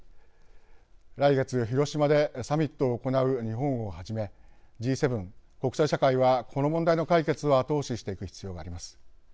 来月広島でサミットを行う日本をはじめＧ７国際社会はこの問題の解決を後押ししていく必要があります。